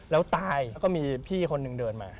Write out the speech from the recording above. แล้วตายแล้วก็มีพี่คนหนึ่งเดินมา